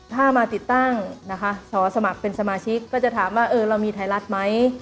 ถ้ามาติดตั้งนะคะสอสมัครเป็นสมาชิกก็จะถามว่าเออเรามีไทยรัฐไหม